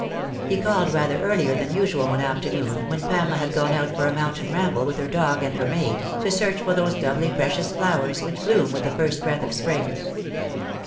He called rather earlier than usual one afternoon, when Pamela had gone out for a mountain ramble with her dog and her maid, to search for those doubly precious flowers which bloom with the first breath of spring.